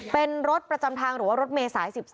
เป็นรถประจำทางหรือว่ารถเมษาย๑๒